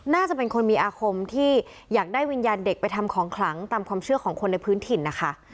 น่าจะเป็นคนมีอาคมที่อยากได้วิญญาณเด็กไปทำของขลังตามความเชื่อของคนในพื้นถิ่นนะคะ